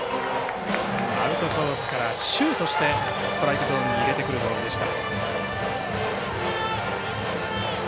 アウトコースからシュートしてストライクゾーンに入れてくるボールでした。